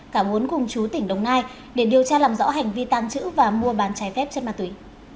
cả bốn cùng chú tỉnh đồng nai để điều tra làm rõ hành vi tàng trữ và mua bán trái phép chất ma túy